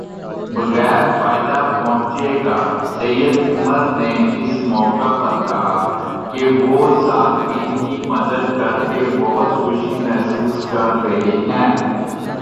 بغیر فائدہ پہنچے گا سید عمر نے اس موقع پر کہا کہ وہ صارفین کی مدد کرکے بہت خوشی محسوس کر رہے ہیں